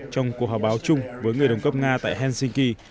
trong cuộc họp báo chung với người đồng cấp nga tại helsinki